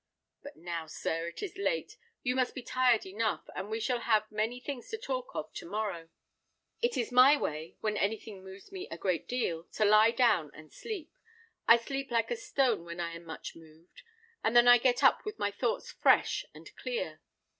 But now, sir, it is late; you must be tired enough, and we shall have many things to talk of to morrow. It is my way, when anything moves me a great deal, to lie down and sleep. I sleep like a stone when I am much moved; and then I get up with my thoughts fresh and clear.